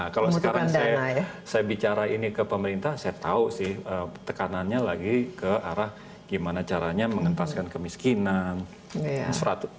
kalau sekarang saya bicara ini ke pemerintah saya tahu sih tekanannya lagi ke arah gimana caranya mengentaskan kemiskinan